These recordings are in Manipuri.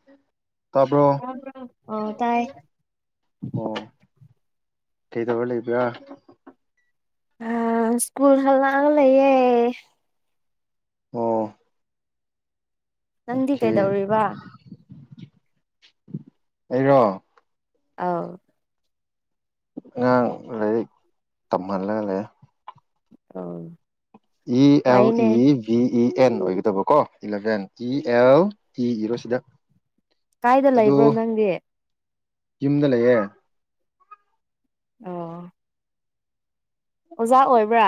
[unintelligible] ꯑ ꯇꯥꯏ ꯑꯣ ꯀꯩꯗꯔꯥ ꯂꯩꯕ꯭ꯔꯥ ꯑ ꯁ꯭ꯀꯨꯜ ꯍꯜꯂꯒꯂꯩꯌꯦ ꯑꯣ ꯅꯪꯗꯤ ꯑꯣꯀꯦ ꯀꯩꯗꯧꯔꯤꯕ ꯑꯩꯔꯣ ꯑꯥꯎ ꯑꯉꯥꯡ ꯂꯥꯏꯔꯤꯛ ꯇꯝꯍꯜꯂꯒ ꯂꯩ ꯑꯥ ꯏ ꯑꯎ ꯏ ꯏ ꯏ ꯑꯦꯟ ꯑꯣꯏꯒꯗꯕꯀꯣ ꯏꯂꯚꯦꯟ ꯏ ꯑꯦꯜ ꯏ ꯏꯔꯣ ꯁꯤꯗ ꯀꯥꯏꯗ ꯑꯗꯨ ꯂꯩꯕ꯭ꯔꯣ ꯅꯪꯗꯤ ꯌꯨꯝꯗ ꯂꯩꯌꯦ ꯑꯣ ꯑꯣꯖꯥ ꯑꯣꯏꯕ꯭ꯔꯥ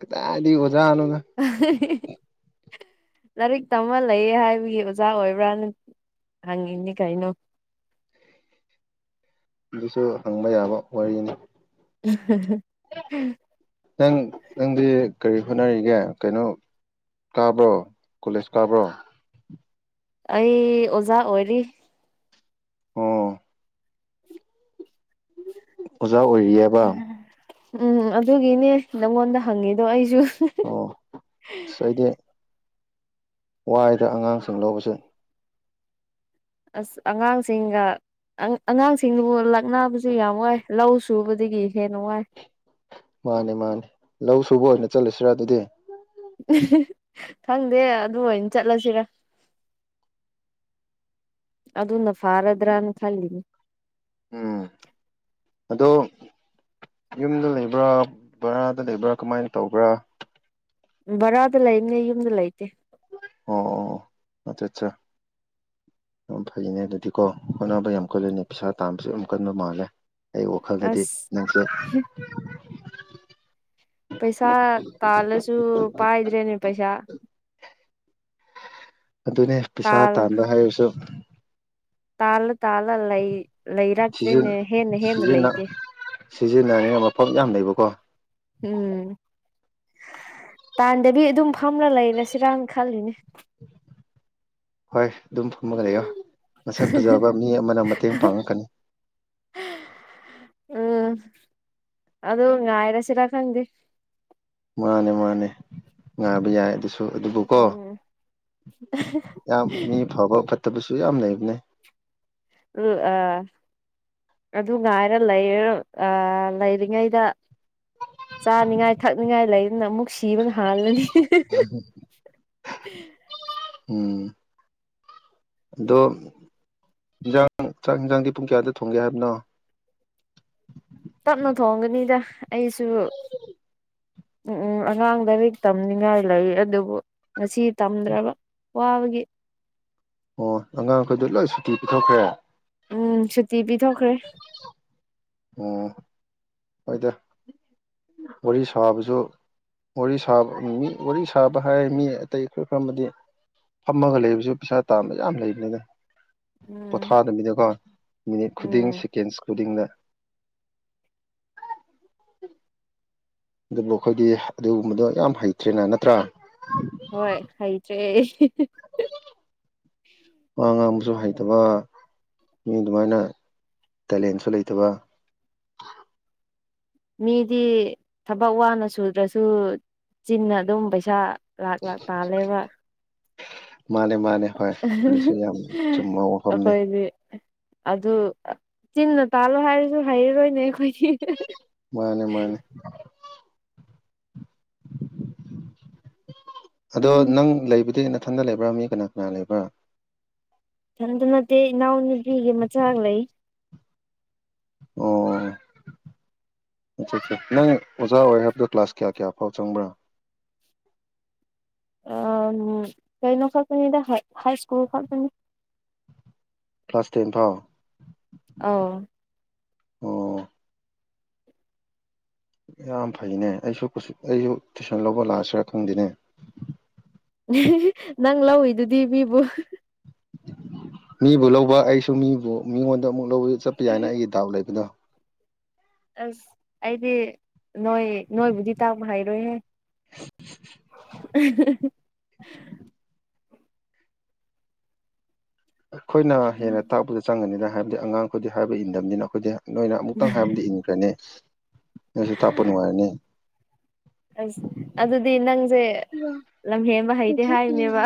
ꯀꯗꯥꯏꯗꯩ ꯑꯣꯖꯥꯅꯣꯗ [unintelligible] ꯂꯥꯏꯔꯤꯛ ꯇꯃ ꯂꯩꯌꯦ ꯍꯥꯏꯕꯒꯤ ꯑꯣꯖꯥ ꯑꯣꯏꯕ꯭ꯔꯥꯅ ꯍꯪꯉꯤꯅꯤ ꯀꯩꯅꯣ ꯑꯗꯨꯁꯨ ꯍꯪꯕ ꯌꯥꯕ ꯋꯥꯔꯤꯅꯤ [inaudible] ꯅꯪ ꯅꯪꯗꯤ ꯀꯔꯤ ꯍꯣꯠꯅꯔꯤꯒꯦ ꯀꯩꯅꯣ ꯇꯥꯕ꯭ꯔꯣ ꯀꯣꯂꯦꯖ ꯀꯥꯕ꯭ꯔꯣ ꯑꯩ ꯑꯣꯖꯥ ꯑꯣꯏꯔꯤ ꯑꯣ ꯑꯣꯖꯥ ꯑꯣꯏꯔꯤꯌꯦ ꯎꯝ ꯑꯗꯨꯒꯤꯅꯦ ꯅꯪꯉꯣꯟꯗ ꯍꯪꯉꯤꯗꯣ ꯑꯩꯁꯨ ꯑꯣ ꯑꯁ ꯑꯩꯗꯤ ꯋꯥꯏꯗ ꯑꯉꯥꯡꯁꯤꯡ ꯂꯧꯕꯁꯦ ꯑꯁ ꯑꯉꯥꯡꯁꯤꯡꯒ ꯑꯉꯥꯡꯁꯤꯡꯗꯨꯕꯨ ꯂꯛꯕꯁꯨ ꯌꯥꯝ ꯋꯥꯏ ꯂꯧ ꯁꯨꯕꯗꯒꯤ ꯍꯦꯟꯅ ꯋꯥꯏ ꯃꯥꯅꯦ ꯃꯥꯅꯤ ꯂꯧ ꯁꯨꯕ ꯑꯣꯏꯅ ꯆꯠꯂꯨꯁꯤꯔꯥ ꯑꯗꯨꯗꯤ [unintelligible] ꯈꯪꯗꯦ ꯑꯗꯨ ꯑꯣꯏꯅ ꯆꯠꯂꯁꯤꯔ ꯑꯗꯨꯅ ꯐꯔꯗ꯭ꯔꯥꯅ ꯈꯜꯅꯤ ꯎꯝ ꯑꯗꯣ ꯌꯨꯝꯗ ꯂꯩꯕ꯭ꯔꯥ ꯕꯔꯥꯗ ꯂꯩꯕ꯭ꯔꯥ ꯀꯃꯥꯏꯅ ꯇꯧꯕ꯭ꯔꯥ ꯕꯔꯥꯗ ꯂꯩꯅꯦ ꯌꯨꯝꯗ ꯂꯩꯇꯦ ꯑꯣ ꯑꯣ ꯑꯆꯥ ꯑꯠꯆꯥ ꯌꯥꯝ ꯐꯩꯅꯦ ꯑꯗꯨꯗꯤꯀꯣ ꯍꯣꯠꯅꯕ ꯌꯥꯝ ꯀꯜꯂꯅꯤ ꯄꯩꯁꯥ ꯇꯥꯟꯕꯁꯨ ꯌꯥꯝ ꯀꯟꯕ ꯃꯥꯜꯂꯦ ꯑꯩ ꯋꯥꯈꯜꯗꯗꯤ ꯑꯁ ꯅꯪꯁꯨ ꯄꯩꯁꯥ ꯇꯥꯜꯂꯁꯨ ꯄꯥꯏꯗ꯭ꯔꯦꯅꯦ ꯄꯩꯁꯥ [inaudible] ꯑꯗꯨꯅꯦ ꯄꯩꯁꯥ ꯇꯥꯜ ꯇꯥꯟꯕ ꯍꯥꯏꯔꯁꯨ ꯇꯥꯜꯂ ꯇꯥꯜꯂ ꯂꯩ ꯂꯩꯔꯛꯇ꯭ꯔꯦꯅꯦ ꯍꯦꯟꯅ ꯍꯦꯟꯅ ꯂꯩꯇꯦ ꯁꯤꯖꯤꯟꯅꯔꯤꯉ ꯃꯐꯝ ꯌꯥꯝ ꯂꯩꯕꯀꯣ ꯎꯝ ꯇꯥꯟꯗꯕꯤ ꯑꯗꯨꯝ ꯐꯝꯂ ꯂꯩꯔꯁꯤꯔꯅ ꯈꯜꯂꯤꯅꯦ ꯍꯣꯏ ꯑꯗꯨꯝ ꯐꯝꯃꯒꯅꯤꯣ ꯃꯁꯛ ꯐꯖꯕ ꯃꯤ ꯑꯃꯅ ꯃꯇꯦꯡ ꯄꯥꯡꯉꯛꯀꯅꯤ ꯎꯝ ꯑꯗꯨ ꯉꯥꯏꯔꯁꯤꯔ ꯈꯪꯗꯦ ꯃꯥꯅꯦ ꯃꯥꯅꯦ ꯉꯥꯕ ꯌꯥꯏ ꯑꯗꯨꯁꯨ ꯑꯗꯨꯕꯨꯀꯣ ꯎꯝ ꯌꯥꯝ ꯃꯤ ꯐꯕ ꯐꯠꯇꯕꯁꯨ ꯌꯥꯝ ꯂꯩꯕꯅꯦ ꯎ ꯑꯥ ꯑꯗꯨ ꯉꯥꯏꯔ ꯂꯩ ꯑ ꯂꯩꯔꯤꯉꯩꯗ ꯆꯥꯅꯤꯡꯉꯥꯏ ꯊꯛꯅꯤꯡꯉꯥꯏ ꯂꯩꯗꯅ ꯑꯃꯨꯛ ꯖꯤꯕꯟ ꯍꯜꯅꯅꯤ ꯎꯝ ꯑꯗꯣ ꯌꯦꯟꯖꯥꯡ ꯆꯥꯛ ꯌꯦꯟꯖꯥꯡꯗꯤ ꯄꯨꯡ ꯀꯌꯥꯗ ꯊꯣꯡꯒꯦ ꯍꯥꯏꯕꯅꯣ ꯇꯞꯅ ꯊꯣꯡꯒꯅꯤꯗ ꯑꯩꯁꯨ ꯎꯝ ꯎꯝ ꯑꯉꯥꯡ ꯂꯥꯏꯔꯤꯛ ꯇꯝꯅꯤꯡꯉꯥꯏ ꯂꯩ ꯑꯗꯨꯕꯨ ꯉꯁꯤ ꯇꯝꯗ꯭ꯔꯕ ꯋꯥꯕꯒꯤ ꯑꯣ ꯑꯉꯥꯡꯈꯩꯗ ꯂꯣꯏ ꯁꯨꯇꯤ ꯄꯤꯊꯣꯛꯈ꯭ꯔꯦ ꯎꯝ ꯁꯨꯇꯤ ꯄꯤꯊꯣꯛꯈ꯭ꯔꯦ ꯑꯣ ꯍꯗ ꯋꯥꯔꯤ ꯁꯋꯥꯕꯨꯁꯨ ꯋꯥꯔꯤ ꯁꯥꯕ ꯃꯤ ꯋꯥꯔꯤ ꯁꯥꯕ ꯍꯥꯏ ꯃꯤ ꯑꯇꯩ ꯑꯩꯈꯣꯏ ꯈꯃꯗꯤ ꯐꯝꯃꯒ ꯂꯩꯕꯁꯨ ꯄꯩꯁꯥ ꯇꯥꯥꯟꯕ ꯌꯥꯝ ꯂꯩꯕꯅꯤꯅ ꯎꯝ ꯄꯣꯊꯥꯗꯃꯤꯗꯀꯣ ꯃꯤꯅꯤꯠ ꯈꯨꯗꯤꯡ ꯎꯝ ꯁꯦꯀꯦꯟꯁ ꯈꯨꯗꯤꯡꯅ ꯑꯗꯨꯕꯨ ꯑꯩꯈꯣꯏꯗꯤ ꯑꯗꯨꯒꯨꯝꯕꯗꯣ ꯌꯥꯝ ꯍꯩꯇ꯭ꯔꯦꯅ ꯅꯠꯇ꯭ꯔꯥ ꯍꯣꯏ ꯍꯩꯇ꯭ꯔꯦ ꯋꯥ ꯉꯥꯡꯕꯁꯨ ꯍꯩꯇꯕ ꯃꯤ ꯑꯗꯨꯃꯥꯏꯅ ꯇꯦꯂꯦꯟꯁꯨ ꯂꯩꯇꯕ ꯃꯤꯗꯤ ꯊꯕꯛ ꯋꯥꯅ ꯁꯨꯗ꯭ꯔꯁꯨ ꯆꯤꯟꯅ ꯑꯗꯨꯝ ꯄꯩꯁꯥ ꯂꯥꯛ ꯂꯥꯛ ꯇꯥꯂꯦꯕ ꯃꯥꯅꯦ ꯃꯥꯅꯦ ꯍꯣꯏ ꯑꯗꯨꯁꯨ ꯌꯥꯝ ꯆꯨꯝꯕ ꯋꯥꯐꯝꯅꯦ ꯑꯩꯈꯣꯏꯗꯤ ꯑꯗꯨ ꯆꯤꯟꯅ ꯇꯥꯜꯂꯣ ꯍꯥꯏꯔꯁꯨ ꯍꯩꯔꯔꯣꯏꯅꯦ ꯑꯩꯈꯣꯏꯒꯤ ꯃꯥꯅꯦ ꯃꯥꯅꯦ ꯑꯗꯣ ꯎꯝ ꯅꯪ ꯂꯩꯕꯗꯤ ꯃꯊꯟꯗ ꯂꯩꯕ꯭ꯔꯥ ꯃꯤ ꯀꯅꯥ ꯀꯅꯥ ꯂꯩꯕ꯭ꯔꯥ ꯊꯅꯗ ꯅꯠꯇꯦ ꯅꯅꯥ ꯅꯨꯄꯤꯦ ꯃꯆꯥꯥꯑꯂ ꯂꯩ ꯑꯣ ꯑꯆꯥ ꯑꯆꯥ ꯅꯪ ꯑꯣꯖꯥ ꯑꯣꯏ ꯍꯥꯏꯕꯗ ꯀ꯭ꯂꯥꯁ ꯀꯌꯥ ꯀꯌꯥ ꯐꯥꯎ ꯆꯪꯕ꯭ꯔꯥ ꯎ ꯀꯩꯅꯣ ꯈꯛꯇꯅꯤꯗ ꯍꯥꯏ ꯁ꯭ꯀꯨꯜ ꯈꯛꯇꯅꯤ ꯀ꯭ꯂꯥꯁ ꯇꯦꯟ ꯐꯥꯎꯣ ꯑꯥꯎ ꯑꯣ ꯌꯥꯝ ꯐꯩꯅꯦ ꯑꯩꯁꯨ ꯀ ꯑꯩꯁꯨ ꯇꯨꯏꯁꯟ ꯂꯧꯕ ꯂꯥꯛꯑꯁꯤꯔꯥ ꯈꯪꯗꯦꯅꯦ ꯅꯪ ꯂꯧꯏꯤꯗꯨꯗꯤ ꯃꯤꯕꯨ ꯃꯤꯕꯨ ꯂꯧꯕ ꯑꯩꯁꯨ ꯃꯤꯕꯨ ꯃꯤꯉꯣꯟꯗ ꯑꯃꯨꯛꯧꯕ ꯆꯠꯄ ꯌꯥꯏꯅ ꯑꯩꯒꯤ ꯗꯥꯎꯠ ꯂꯩꯕꯗꯣ ꯑꯁ ꯑꯩꯗꯤ ꯅꯣꯏ ꯅꯣꯏꯕꯨꯗꯤ ꯇꯥꯛꯄ ꯍꯥꯏꯩꯔꯣꯏꯍꯦ ꯑꯩꯈꯣꯏꯅ ꯍꯦꯟꯅ ꯇꯥꯛꯄꯗ ꯆꯪꯉꯅꯤꯅ ꯍꯥꯏꯕꯗꯤ ꯑꯉꯥꯡꯈꯗꯤ ꯍꯥꯏꯕ ꯏꯟꯗꯕꯅꯤꯅ ꯑꯩꯈꯣꯏꯗꯤ ꯅꯣꯏꯅ ꯑꯃꯨꯛꯇꯪ ꯍꯥꯏꯕꯗꯤ ꯏꯉ ꯅꯤꯁꯨ ꯇꯥꯄ ꯅꯨꯡꯉꯥꯏꯔꯅꯤ ꯑꯁ ꯑꯗꯨꯗꯤ ꯅꯪꯁꯦ ꯂꯝꯍꯦꯟꯕ ꯍꯩꯇꯦ ꯍꯥꯏꯔꯤꯅꯦꯕ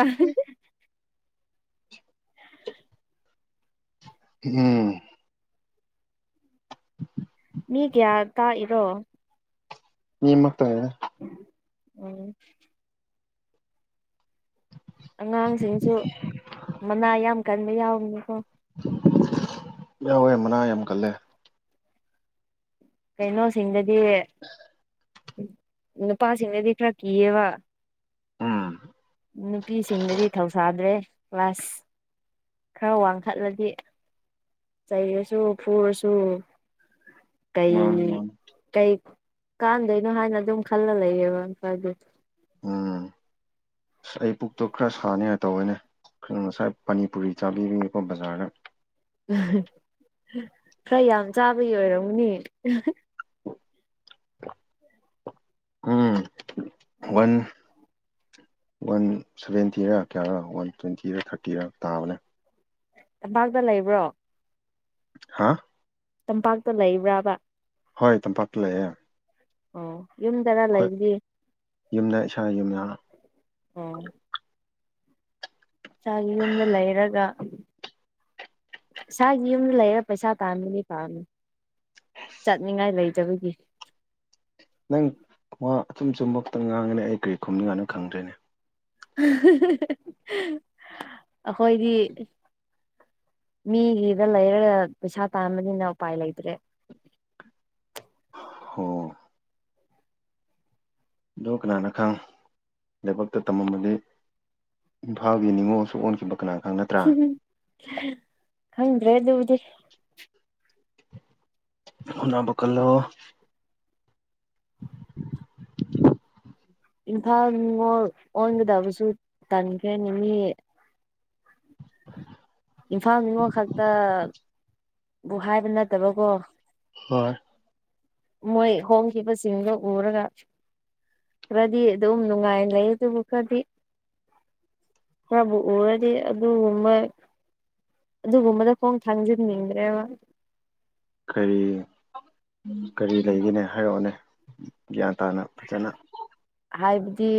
ꯎꯝ ꯃꯤꯒ ꯌꯥ ꯇꯥ ꯏꯔꯣ ꯌꯦ ꯃꯥ ꯇꯥ ꯎꯝ ꯑꯉꯥꯡꯁꯤꯡꯁꯨ ꯃꯅꯥ ꯌꯥꯝ ꯀꯟꯕ ꯌꯥꯎꯕꯅꯤꯀꯣ ꯌꯥꯎ ꯍꯦ ꯃꯅꯥ ꯌꯥꯝ ꯀꯜꯂꯦ ꯀꯩꯅꯣꯁꯤꯡꯗꯗꯤ ꯅꯨꯄꯥꯁꯤꯡꯗꯗꯤ ꯈꯔ ꯀꯤꯌꯦꯕ ꯎꯝ ꯅꯨꯄꯤꯁꯤꯡꯗꯗꯤ ꯊꯧꯁꯥꯗ꯭ꯔꯦ ꯀ꯭ꯂꯥꯁ ꯈꯔ ꯋꯥꯡꯈꯠꯂꯗꯤ ꯆꯩꯔꯁꯨ ꯐꯨꯔꯁꯨ ꯀꯩ ꯃꯥꯅꯤ ꯃꯥꯅꯤ ꯀꯩ ꯀꯥꯟꯗꯣꯏꯅꯣ ꯍꯥꯏꯅ ꯑꯗꯨꯝ ꯈꯜꯂ ꯂꯩꯌꯦꯕꯝꯗꯤ ꯎꯝ [unintelligible] ꯑꯁ ꯑꯩ ꯄꯨꯛꯇꯣ ꯈꯔ ꯁꯥꯅꯤꯉꯥꯏ ꯇꯧꯦꯅꯦ ꯉꯁꯥꯏ ꯄꯅꯤꯄꯨꯔꯤ ꯆꯥꯕꯤꯔꯤꯒꯦꯀꯣ ꯕꯖꯥꯔꯗ ꯈꯔ ꯌꯥꯝ ꯆꯥꯕꯒꯤ ꯑꯣꯏꯔꯝꯅꯦ ꯎꯝ ꯋꯥꯟ ꯋꯥꯟ ꯁꯚꯦꯟꯇꯤꯔ ꯀꯌꯥꯔꯥ ꯋꯥꯟ ꯇ꯭ꯋꯦꯟꯇꯤꯔ ꯊꯥꯔꯇꯤꯔ ꯇꯥꯕꯅꯦ ꯂꯝꯝꯄꯥꯛꯇ ꯂꯩꯕ꯭ꯔꯣ ꯍꯥ ꯇꯝꯄꯥꯛꯇ ꯂꯩꯕ꯭ꯔꯥꯕ ꯍꯣꯏ ꯇꯝꯄꯥꯛꯇ ꯂꯩꯑꯦ ꯑꯣ ꯌꯝꯗꯔꯂ ꯏꯗꯤ ꯌꯨꯝꯗ ꯏꯁꯥ ꯌꯨꯝꯅ ꯑꯥ ꯆꯥꯛ ꯌꯨꯝꯗ ꯂꯩꯔꯒ ꯏꯁꯥꯒꯤ ꯌꯨꯝꯗ ꯂꯩꯔ ꯄꯩꯁꯥ ꯇꯥꯝꯕꯅꯤꯕꯥ ꯆꯠꯅꯤꯡꯉꯥꯏ ꯂꯩꯇꯥꯕꯒꯤ ꯅꯪ ꯑꯃꯥ ꯑꯆꯨꯝ ꯆꯨꯝꯕ ꯈꯥꯇꯪ ꯉꯥꯡꯒꯅꯤ ꯑꯩ ꯀꯔꯤ ꯈꯨꯝꯅꯤꯡꯉꯥꯏꯅꯤ ꯈꯪꯗꯦ ꯑꯈꯣꯏꯗꯤ ꯃꯤꯒꯤꯗ ꯂꯩꯔꯒ ꯄꯩꯁꯥ ꯇꯥꯟꯕꯅꯤꯅ ꯎꯄꯥꯏ ꯂꯩꯇꯦ ꯍꯣ ꯑꯗꯣ ꯀꯅꯥꯅ ꯈꯪ ꯂꯥꯏꯕꯛꯇ ꯇꯝꯃꯝꯃꯗꯤ ꯏꯝꯐꯥꯒꯤ ꯅꯅꯤꯡꯉꯣꯜꯁꯨ ꯑꯣꯟꯈꯤꯕ ꯀꯅꯥ ꯈꯪ ꯅꯠꯇ꯭ꯔꯥ ꯈꯪꯗ꯭ꯔꯦ ꯑꯗꯨꯕꯨꯗꯤ ꯍꯣꯠꯅꯕꯥ ꯀꯜꯂꯣ ꯏꯝꯐꯥꯜ ꯅꯤꯉꯣꯜ ꯑꯣꯟꯒꯗꯕꯁꯨ ꯇꯟꯈ꯭ꯔꯦꯅꯦ ꯃꯤꯒꯤ ꯏꯝꯐꯥꯜ ꯅꯤꯉꯣꯜ ꯈꯛꯇ ꯕꯨ ꯍꯥꯏꯕ ꯅꯠꯇꯕꯀꯣ ꯍꯣꯏ ꯃꯣꯏ ꯍꯣꯡꯈꯤꯕꯁꯤꯡꯗꯣ ꯎꯔꯒ ꯈꯔꯗꯤ ꯑꯗꯨꯝ ꯅꯨꯡꯉꯥꯏꯅ ꯂꯩ ꯑꯗꯨꯕꯨ ꯈꯔꯗꯤ ꯈꯔꯕꯨ ꯎꯔꯥꯗꯤ ꯑꯗꯨꯒꯨꯝꯕ ꯑꯗꯨꯒꯨꯝꯕꯗ ꯈꯣꯡ ꯊꯥꯡꯖꯟꯅꯤꯡꯗ꯭ꯔꯦꯕ ꯀꯔꯤ ꯀꯔꯤ ꯂꯩꯒꯦꯅꯦ ꯍꯥꯏꯔꯛꯑꯣꯅꯦ ꯒ꯭ꯌꯥꯟ ꯇꯥꯅ ꯐꯖꯅ ꯍꯥꯏꯕꯥꯗꯤ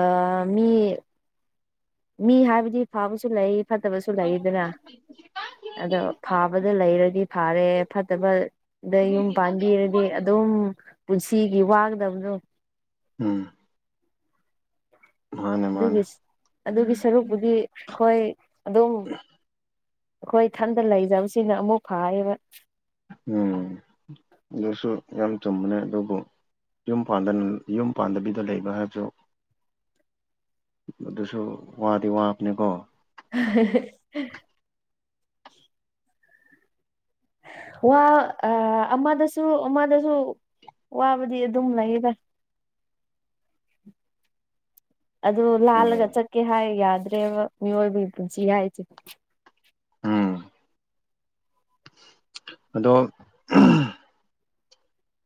ꯑꯥ ꯃꯤ ꯃꯤ ꯍꯥꯏꯕꯗꯤ ꯐꯕꯁꯨ ꯂꯩ ꯐꯠꯇꯕꯁꯨ ꯂꯩ ꯗꯥꯅ ꯑꯗꯣ ꯐꯥꯕꯗ ꯂꯩꯔꯗꯤ ꯐꯥꯔꯦ ꯐꯠꯇꯕ ꯑꯗꯥ ꯌꯨꯝ ꯄꯥꯟꯕꯤꯔꯗꯤ ꯑꯗꯨꯝ ꯄꯨꯟꯁꯤꯒꯤ ꯋꯥꯒꯗꯕꯗꯣ ꯎꯝ ꯃꯥꯅꯦ ꯃꯥꯅꯦ ꯑꯗꯨꯒꯤ ꯑꯗꯨꯒꯤ ꯁꯔꯨꯛꯄꯨꯗꯤ ꯑꯩꯈꯣꯏ ꯑꯗꯨꯝ ꯑꯩꯈꯣꯏ ꯏꯊꯟꯗ ꯂꯩꯖꯕꯁꯤꯅ ꯑꯃꯨꯛ ꯐꯥꯏꯌꯦꯕ ꯎꯝ ꯑꯗꯨꯁꯨ ꯌꯥꯝ ꯆꯨꯝꯕꯅꯦ ꯑꯗꯨꯕꯨ ꯌꯨꯝ ꯄꯥꯟꯗꯥ ꯌꯨꯝ ꯄꯥꯟꯗꯕꯤꯗ ꯂꯩꯕ ꯍꯥꯏꯕꯗꯣ ꯑꯗꯨꯁꯨ ꯋꯥꯗꯤ ꯋꯥꯕꯅꯤꯀꯣ [unintelligible] ꯋꯥ ꯑꯃꯗꯁꯨ ꯑꯃꯗꯁꯨ ꯋꯥꯕꯗꯤ ꯑꯗꯨꯝ ꯂꯩꯌꯦꯗꯥ ꯑꯗꯨ ꯂꯥꯜꯂꯒ ꯎꯝ ꯆꯠꯀꯦ ꯍꯥꯏ ꯌꯥꯗ꯭ꯔꯦꯕ ꯃꯤꯑꯣꯏꯕꯒꯤ ꯄꯨꯟꯁꯤ ꯍꯥꯏꯁꯦ ꯎꯝ ꯑꯗꯣ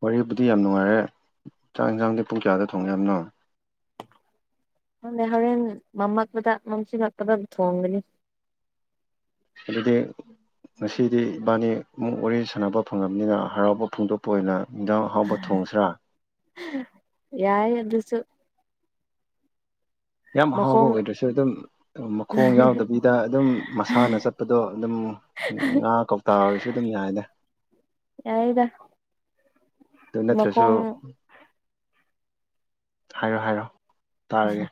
ꯋꯥꯔꯤꯕꯨꯗꯤ ꯌꯥꯝ ꯅꯨꯡꯉꯥꯏꯔꯦ ꯆꯥꯛ ꯌꯦꯟꯁꯥꯡꯗꯤ ꯄꯨꯡ ꯀꯌꯥꯗ ꯊꯣꯡꯉꯦ ꯍꯥꯏꯕꯅꯣ ꯈꯪꯗꯦ ꯍꯣꯔꯦꯟ ꯃꯝꯃꯛꯄꯗ ꯃꯝꯁꯤꯜꯂꯛꯄꯗ ꯊꯣꯡꯒꯅꯤ ꯑꯗꯨꯗꯤ ꯉꯁꯤꯗꯤ ꯏꯕꯥꯅꯤ ꯑꯃꯨꯛ ꯋꯥꯔꯤ ꯁꯥꯟꯅꯕ ꯐꯪꯉꯕꯅꯤꯅ ꯍꯔꯥꯎꯕ ꯐꯣꯡꯗꯣꯛꯄ ꯑꯣꯏꯅ ꯏꯖꯥꯡ ꯑꯍꯥꯎꯕ ꯊꯣꯡꯁꯤꯔꯥ ꯌꯥꯏ ꯑꯗꯨꯁꯨ ꯌꯥꯝ ꯑꯍꯥꯎꯕ ꯃꯈꯣꯡ ꯑꯣꯏꯗ꯭ꯔꯁꯨ ꯑꯗꯨꯝ ꯃꯈꯣꯡ ꯌꯥꯎꯗꯕꯤꯗ ꯑꯗꯨꯝ ꯃꯁꯥꯅ ꯆꯠꯄꯗꯣ ꯑꯗꯨꯝ ꯉꯥ ꯀꯧꯇꯥ ꯑꯣꯏꯔꯁꯨ ꯑꯗꯨꯝ ꯌꯥꯏꯗꯥ ꯌꯥꯏꯌꯦ ꯑꯗꯨ ꯅꯠꯇ꯭ꯔꯁꯨ ꯍꯥꯏꯔꯣ ꯍꯥꯏꯔꯣ ꯇꯥꯔꯒꯦ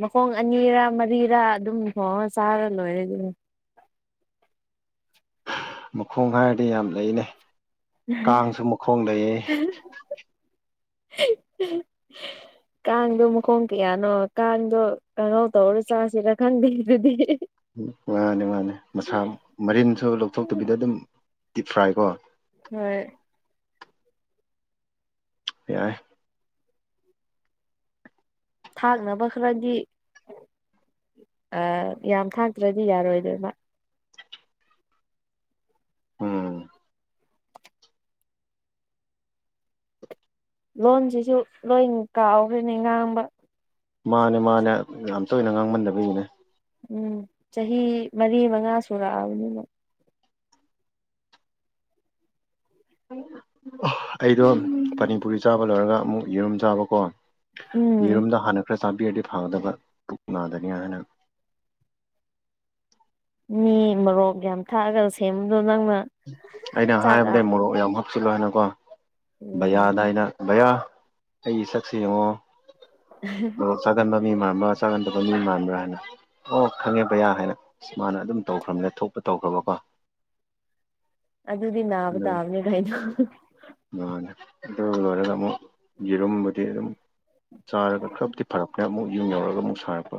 ꯃꯈꯣꯡ ꯑꯅꯤꯔꯥ ꯃꯔꯤꯔꯥ ꯑꯗꯨꯝ ꯊꯣꯡꯉꯒꯥ ꯆꯥꯔ ꯂꯣꯏꯔꯦ ꯑꯗꯨꯕꯨ ꯃꯈꯣꯡ ꯍꯥꯏꯔꯗꯤ ꯌꯥꯝ ꯂꯩꯅꯦ ꯀꯥꯡꯁꯨ ꯃꯈꯣꯡ ꯂꯩꯌꯦ ꯀꯥꯡ ꯀꯥꯡꯗꯣ ꯃꯈꯣꯡ ꯀꯌꯥꯅꯣ ꯀꯥꯡꯗꯣ ꯀꯥꯡꯍꯧ ꯇꯧꯔ ꯆꯥꯁꯤꯔ ꯈꯪꯗꯦ ꯑꯗꯨꯗꯤ ꯎꯝ ꯉꯥꯅꯤ ꯉꯥꯅꯤ ꯃꯁꯥ ꯃꯔꯤꯟꯁꯨ ꯂꯧꯊꯣꯛꯇꯕꯤꯗ ꯑꯗꯨꯝ ꯗꯤꯞ ꯐ꯭ꯔꯥꯏꯀꯣ ꯍꯣꯏ ꯌꯥꯏ ꯊꯥꯛꯅꯕ ꯈꯔꯗꯤ ꯌꯥꯝ ꯊꯥꯛꯇ꯭ꯔꯗꯤ ꯌꯥꯔꯣꯏꯗꯣꯏꯃ ꯎꯝ ꯂꯣꯟꯁꯤꯁꯨ ꯂꯣꯏ ꯀꯥꯎꯈ꯭ꯔꯦꯅꯦ ꯉꯥꯡꯕ ꯃꯥꯅꯦ ꯃꯥꯅꯦ ꯌꯥꯝ ꯇꯣꯏꯅ ꯉꯥꯡꯃꯟꯗꯕꯒꯤꯅꯦ ꯎꯝ ꯆꯍꯤ ꯃꯔꯤ ꯃꯉꯥ ꯁꯨꯔꯛꯑꯕꯅꯤꯅ ꯑꯩꯗꯣ ꯎꯝ ꯄꯅꯤꯄꯨꯔꯤ ꯆꯥꯕ ꯂꯣꯏꯔꯒ ꯑꯃꯨꯛ ꯌꯦꯔꯨꯝ ꯆꯥꯕꯀꯣ ꯎꯝ ꯌꯦꯔꯨꯝꯗ ꯍꯥꯟꯅ ꯈꯔ ꯆꯥꯕꯤꯔꯗꯤ ꯐꯒꯗꯕ ꯄꯨꯛ ꯅꯥꯗꯅꯤ ꯍꯥꯏꯅ ꯃꯤ ꯃꯔꯣꯛ ꯌꯥꯝ ꯊꯥꯛꯑꯒ ꯁꯦꯝꯕꯗꯣ ꯅꯪꯅ ꯑꯩꯅ ꯆꯥꯛ ꯍꯥꯏꯕꯗ ꯃꯣꯔꯣꯛ ꯌꯥꯝ ꯍꯥꯞꯆꯤꯜꯂꯣ ꯍꯥꯏꯅꯀꯣ ꯎꯝ ꯕꯌꯥꯥꯗ ꯑꯩꯅ ꯚꯌꯥ ꯑꯩꯒꯤ ꯁꯛꯁꯦ ꯌꯦꯡꯉꯣ ꯎ ꯑꯗ ꯆꯥꯒꯟꯕ ꯃꯤ ꯃꯥꯟꯕ꯭ꯔꯥ ꯆꯥꯒꯟꯗꯕ ꯃꯤ ꯃꯥꯟꯕ꯭ꯔꯥ ꯍꯥꯏꯅ ꯑꯣ ꯈꯪꯉꯦ ꯕꯌꯥ ꯍꯥꯏꯅ ꯃꯥꯅ ꯑꯗꯨꯝ ꯇꯧꯈ꯭ꯔꯕꯅꯤꯅ ꯊꯣꯛꯄ ꯇꯧꯈ꯭ꯔꯕꯀꯣ ꯑꯗꯨꯗꯤ ꯅꯥꯕ ꯑꯗꯨ ꯇꯥꯕꯅꯦ ꯀꯩꯅꯣ ꯃꯥꯅꯦ ꯑꯗꯨ ꯂꯣꯏꯔꯒ ꯑꯃꯨꯛ ꯌꯦꯔꯨꯝꯕꯨꯗꯤ ꯑꯗꯨꯝ ꯆꯥꯔꯒ ꯈꯔꯕꯨꯗꯤ ꯐꯔꯛꯄ ꯃ ꯑꯃꯨꯛ ꯌꯨꯝ ꯌꯧꯔꯒ ꯑꯃꯨꯛ ꯁꯥꯔꯛꯄ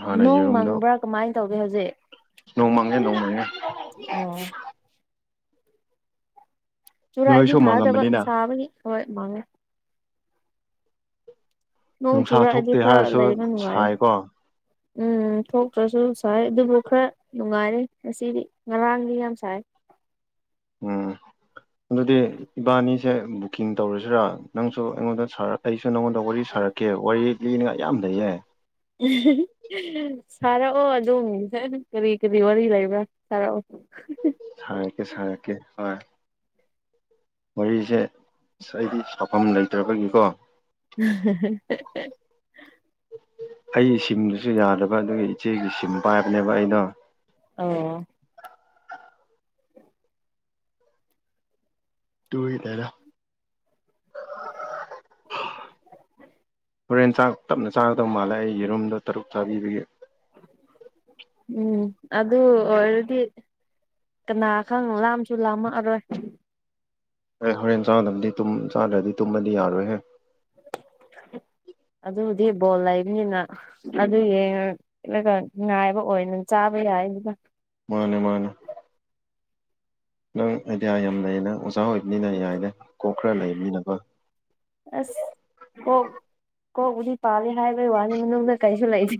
ꯍꯥꯟꯅ ꯅꯣꯡ ꯃꯪꯕ꯭ꯔꯥ ꯀꯃꯥꯏꯅ ꯇꯧꯒꯦ ꯍꯧꯖꯤꯛ ꯅꯣꯡꯃꯪꯉꯦ ꯅꯣꯡꯃꯪꯉꯦ ꯑꯣ ꯆꯨꯔꯛꯑꯗꯤ ꯅꯣꯏꯁꯨ ꯐꯥꯗꯕ ꯃꯪꯉꯝꯕꯅꯤꯅ ꯁꯥꯕꯒꯤ ꯍꯣꯏ ꯃꯥꯡꯉꯦ ꯅꯣꯡ ꯅꯨꯡꯁꯥ ꯆꯨꯔꯛꯑꯗꯤ ꯊꯣꯛꯇꯦ ꯈꯔ ꯍꯥꯏꯔꯁꯨ ꯂꯩꯕ ꯅꯨꯡꯉꯥꯏꯌꯦ ꯁꯥꯏꯀꯣ ꯎꯝ ꯊꯣꯛꯇ꯭ꯔꯁꯨ ꯁꯥꯏ ꯑꯗꯨꯕꯨ ꯈꯔ ꯅꯨꯡꯉꯥꯏꯔꯦ ꯉꯁꯤꯗꯤ ꯉꯔꯥꯡꯗꯤ ꯌꯥꯝ ꯁꯥꯏ ꯎꯝ ꯑꯗꯨꯗꯤ ꯏꯕꯥꯅꯤꯁꯦ ꯕꯨꯛꯀꯤꯡ ꯇꯧꯔꯁꯤꯔꯥ ꯅꯪꯁꯨ ꯑꯩꯉꯣꯟꯗ ꯑꯩꯁꯨ ꯅꯪꯉꯣꯟꯗ ꯋꯥꯔꯤ ꯁꯥꯔꯛ ꯑꯣꯀꯦ ꯋꯥꯔꯤ ꯂꯤꯅꯤꯡꯉꯥꯏ ꯌꯥꯝ ꯂꯩꯩꯌꯦ ꯁꯥꯔꯛꯑꯣ ꯑꯗꯨꯝ ꯀꯔꯤ ꯀꯔꯤ ꯋꯥꯔꯤ ꯂꯩꯕ꯭ꯔꯥ ꯁꯥꯔꯛꯑꯣ ꯍꯨꯍꯤ ꯁꯔꯛꯀꯦ ꯁꯔꯛꯀꯦ ꯍꯣꯢ ꯋꯥꯔꯤꯁꯦꯁ ꯍꯥꯏꯗꯤ ꯁꯥꯐꯝ ꯂꯩꯇ꯭ꯔꯕꯒꯤꯀꯣ ꯎꯝ ꯍꯦꯍꯦ ꯑꯩ ꯁꯤꯝꯗꯨꯁꯨ ꯌꯥꯗꯕ ꯑꯗꯨꯒꯤ ꯏꯆꯦꯒꯤ ꯁꯤꯝ ꯄꯥꯏꯕꯅꯦꯕ ꯑꯩꯅꯣ ꯑꯣ ꯇꯨꯢꯅꯤꯗ ꯍꯣꯔꯦꯟ ꯆꯥꯛ ꯇꯞꯅ ꯆꯥꯒꯗꯧ ꯃꯥꯜꯂꯦ ꯑꯩ ꯌꯦꯔꯨꯝꯗꯣ ꯇꯔꯨꯛ ꯆꯥꯕꯤꯕꯒꯤ ꯎꯝ ꯑꯗꯨ ꯑꯣꯏꯔꯗꯤ ꯀꯅꯥ ꯈꯪ ꯂꯥꯝꯁꯨ ꯂꯥꯝꯃꯛꯑꯔꯣꯏ ꯑꯦ ꯍꯣꯔꯦꯟ ꯆꯥꯗꯕꯗꯤ ꯆꯥꯗ꯭ꯔꯗꯤ ꯇꯨꯝꯃꯗꯤ ꯌꯥꯔꯣꯏꯍꯦ ꯑꯗꯨꯕꯨꯗꯤ ꯕꯣꯜ ꯂꯩꯕꯅꯤꯅ ꯑꯗꯨ ꯌꯦꯡ ꯔꯒ ꯉꯥꯏꯕ ꯑꯣꯏꯅ ꯆꯥꯕ ꯌꯥꯏꯗꯨꯅ ꯃꯥꯅꯦ ꯃꯥꯅꯦ ꯅꯪ ꯑꯥꯏꯗꯤꯌꯥ ꯌꯥꯝ ꯂꯩꯌꯦꯅ ꯑꯣꯖꯥ ꯑꯣꯏꯕꯅꯤꯅ ꯌꯥꯏꯔꯦ ꯀꯣꯛ ꯈꯔ ꯂꯩꯕꯅꯤꯅꯀꯣ ꯑꯁ ꯀꯣꯛ ꯀꯣꯛꯕꯨꯗꯤ ꯄꯥꯜꯂꯤ ꯍꯥꯏꯕꯩ ꯋꯥꯅꯤ ꯃꯅꯨꯡꯗ ꯀꯔꯤꯁꯨ ꯂꯩꯇꯦ